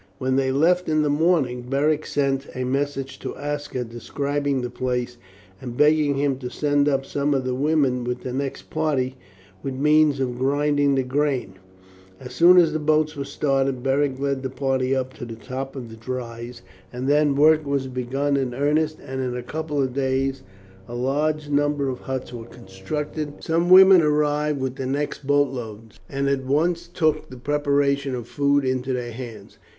When they left in the morning Beric sent a message to Aska describing the place, and begging him to send up some of the women with the next party with means of grinding the grain. As soon as the boats were started Beric led the party up to the top of the rise, and then work was begun in earnest, and in a couple of days a large number of huts were constructed of saplings and brushwood cleared off from the centre of the encampment. Some women arrived with the next boat loads, and at once took the preparation of food into their hands.